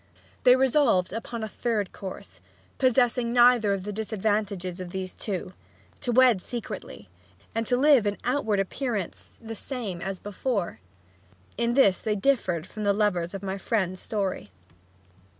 They resolved upon a third course, possessing neither of the disadvantages of these two: to wed secretly, and live on in outward appearance the same as before. In this they differed from the lovers of my friend's story.